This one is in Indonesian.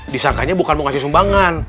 disangkanya bukan mau kasih sumbangan